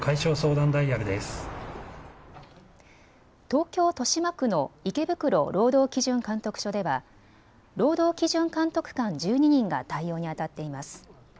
東京豊島区の池袋労働基準監督署では労働基準監督官１２人が対応にあたっています。